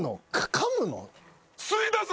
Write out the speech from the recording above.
かむの？